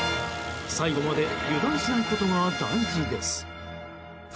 最後まで油断しないことが大事です。